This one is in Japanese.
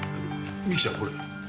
美貴ちゃんこれ。